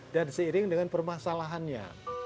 dan seiring dengan permasalahannya